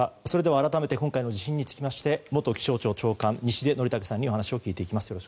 それでは改めてこれまでの地震について元気象庁長官、西出則武さんにお話を聞いていきます。